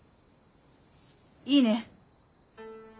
いいね？